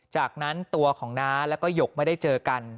จากนั้นตัวของน้าแล้วก็หยกไม่ได้เจอกัน